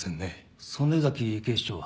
曽根崎警視長は？